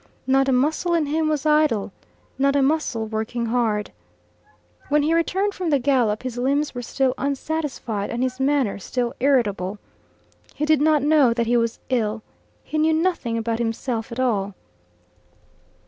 Not a muscle in him was idle, not a muscle working hard. When he returned from the gallop his limbs were still unsatisfied and his manners still irritable. He did not know that he was ill: he knew nothing about himself at all.